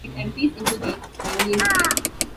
It empties into the Ionian Sea.